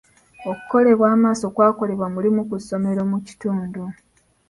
Okukebera amaaso kwakolebwa mu limu ku ssomero mu kitundu.